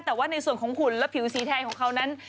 แต่ว่าในส่วนของหุ่นและผิวสีแทนของเขานั้น